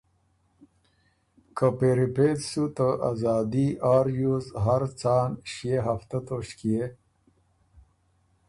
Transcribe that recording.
که پېری پېڅ سُو ته ازادي آ ریوز هر ځان ݭيې هفته توݭکيې